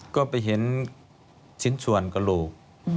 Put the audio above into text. ก็ไปเห็นชิ้นส่วนกระโหลก